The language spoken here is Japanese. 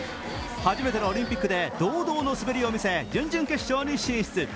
初めてのオリンピックで堂々の滑りを見せ準々決勝に進出。